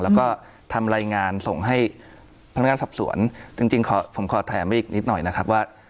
แล้วก็ทำรายงานส่งให้พนักงานสอบสวนจริงขอผมขอแถมไปอีกนิดหน่อยนะครับว่า